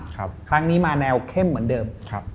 ครั้งนี้มาแนวเข้มเหมือนเดิมครับ